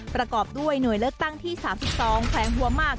ประกอบด้วยหน่วยเลือกตั้งที่๓๒แขวงหัวหมาก